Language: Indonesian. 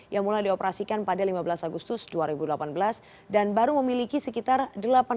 yang mulai dioperasikan pada lima belas agustus dua ribu delapan belas dan baru memiliki sekitar delapan ratus jam terbang